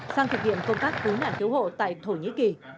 sang thực hiện công tác cứu nạn cứu hộ tại thổ nhĩ kỳ